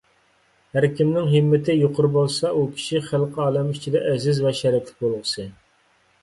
ھەر كىمنىڭ ھىممىتى يۇقىرى بولسا، ئۇ كىشى خەلقى ئالەم ئىچىدە ئەزىز ۋە شەرەپلىك بولغۇسى.